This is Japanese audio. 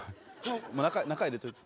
中入れといて。